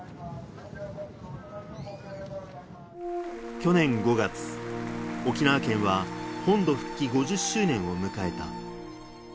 去年５月、沖縄県は本土復帰５０周年を迎えた。